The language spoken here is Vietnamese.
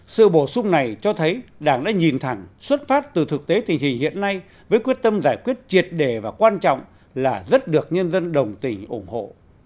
sự bổ sung này cho thấy đảng đã nhìn thẳng xuất phát từ thực tế tình hình hiện nay với quyết tâm giải quyết triệt đề và quan trọng là rất được nhân dân đồng tình ủng hộ